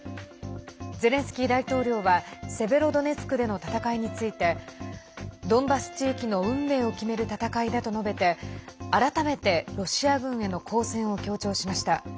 ゼレンスキー大統領はセベロドネツクでの戦いについてドンバス地域の運命を決める戦いだと述べて改めてロシア軍への抗戦を強調しました。